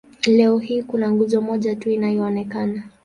Leo hii kuna nguzo moja tu inayoonekana.